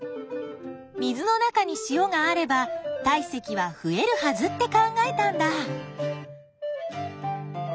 水の中に塩があれば体積は増えるはずって考えたんだ。